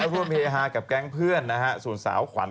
ร่วมพี่อาหารกับแก๊งเพื่อนนะฮะ